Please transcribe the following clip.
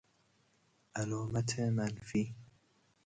علامت منفی